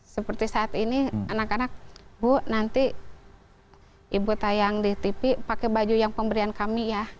seperti saat ini anak anak bu nanti ibu tayang di tv pakai baju yang pemberian kami ya